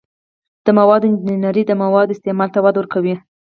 د موادو انجنیری د موادو استعمال ته وده ورکوي.